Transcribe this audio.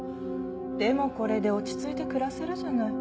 でもこれで落ち着いて暮らせるじゃない。